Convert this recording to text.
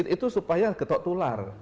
itu supaya getok tular